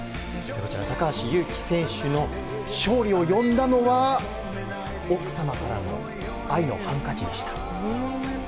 こちら高橋侑希選手の勝利を呼んだのは奥様からの愛のハンカチでした。